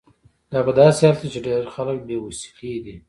دا په داسې حال کې ده چې ډیری خلک بې وسیلې دي.